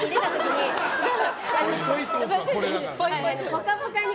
「ぽかぽか」ね。